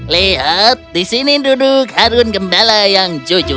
lihat di sini duduk harun gendala yang jujur